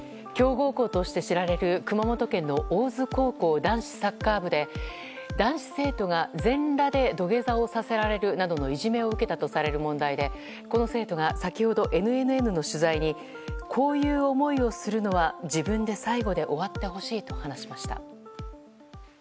熊本県の大津高校男子サッカー部で男子生徒が全裸で土下座をさせられるなどのいじめを受けたとされる問題でこの生徒が先ほどＮＮＮの取材にこういう思いをするのは自分で最後で終わってほしいと話しました。